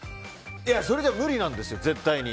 いや、それじゃ無理なんですよ絶対に。